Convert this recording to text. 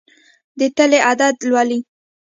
د تلې عدد لولي.